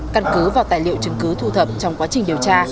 căn cứ vào tài liệu chứng cứ thu thập trong quá trình điều tra